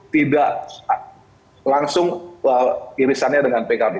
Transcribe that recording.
tidak langsung irisannya dengan pkb